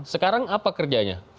sekarang apa kerjanya